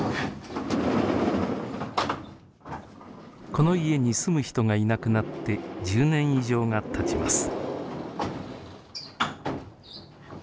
この家に住む人がいなくなって１０年以上がたちます。